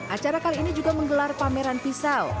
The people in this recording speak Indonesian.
acara kali ini juga menggelar pameran pisau